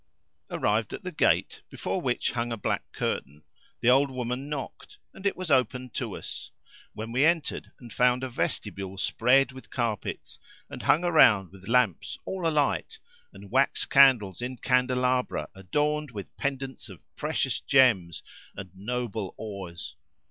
Arrived at the gate, before which hung a black curtain, the old woman knocked and it was opened to us; when we entered and found a vestibule spread with carpets and hung around with lamps all alight and wax candles in candelabra adorned with pendants of precious gems and noble ores.